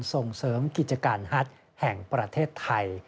ส่งเสริมกิจการฮัทแห่งประเทศไทย